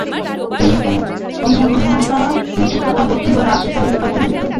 তিনি কমনীয়তা, বিশুদ্ধতা, গতি এবং রাগ বিষয়ে লেখার জন্য বিখ্যাত ছিলেন।